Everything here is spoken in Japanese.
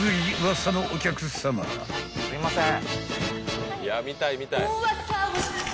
すいません。